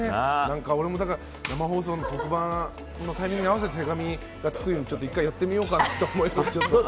俺もだから生放送の特番のタイミングに合わせて手紙が着くように、１回やってみようかなと思います。